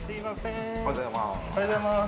おはようございます。